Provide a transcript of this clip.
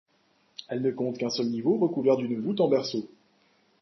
Elle ne comporte qu'un seul niveau recouvert d'une voûte en berceau.